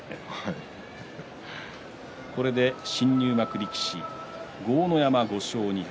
新入幕力士豪ノ山５勝２敗